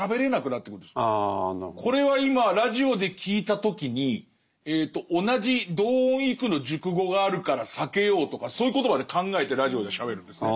これは今ラジオで聴いた時に同じ同音異句の熟語があるから避けようとかそういうことまで考えてラジオではしゃべるんですね。